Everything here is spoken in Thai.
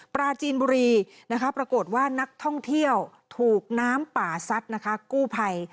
ปลาจีนบุรีปรากฏว่านักท่องเที่ยวถูกน้ำป่าซัดกู้ไภ